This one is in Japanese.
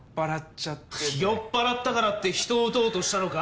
酔っぱらったからって人を撃とうとしたのか？